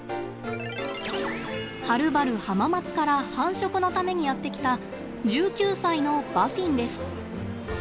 はるばる浜松から繁殖のためにやって来た１９歳のバフィンです。